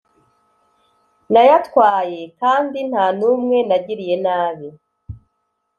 nayatwaye kandi nta n umwe nagiriye nabi